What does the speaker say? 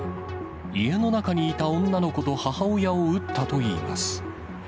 家の中にいた女の子と母親を撃ったといいます。